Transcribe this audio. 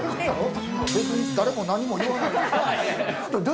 誰も何も言わない。